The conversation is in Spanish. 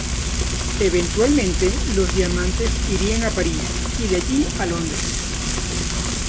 Eventualmente los diamantes irían a París y de allí a Londres.